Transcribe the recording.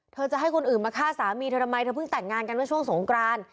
เธอจะให้คนอื่นมาฆ่าสามีเธอทำไมเธอเพิ่งแต่งงานกันเมื่อช่วงสงกราน